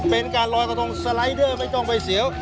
เป็นการลอยกระทงสไลเดอร์ไม่ต้องไปเสียว